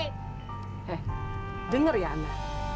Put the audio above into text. he denger ya anak